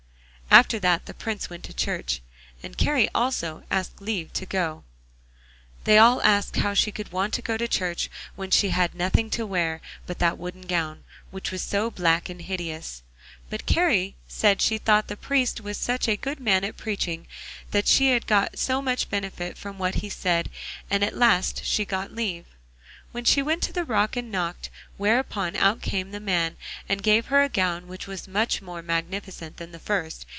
After that the Prince went to church, and Kari also asked leave to go. They all asked how she could want to go to church when she had nothing to wear but that wooden gown, which was so black and hideous. But Kari said she thought the priest was such a good man at preaching that she got so much benefit from what he said, and at last she got leave. She went to the rock and knocked, whereupon out came the man and gave her a gown which was much more magnificent than the first.